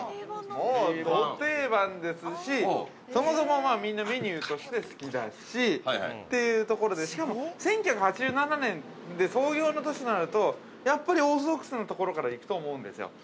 もうド定番ですしそもそも、みんなメニューとして好きだしっていうところでしかも、１９８７年で創業の年になると、やっぱりオーソッドクスのところから行くと思うんですよ。